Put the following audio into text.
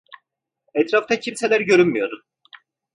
Etrafta kimseler görünmüyordu.